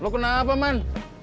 lo kenapa man